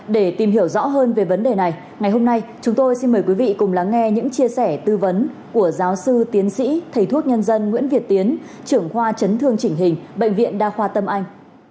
để tìm hiểu rõ hơn về vấn đề này ngày hôm nay chúng tôi xin mời quý vị cùng lắng nghe những chia sẻ tư vấn của giáo sư tiến sĩ thầy thuốc nhân dân nguyễn việt tiến trưởng khoa chấn thương chỉnh hình bệnh viện đa khoa tâm anh